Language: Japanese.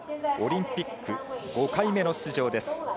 オリンピック５回目の出場です。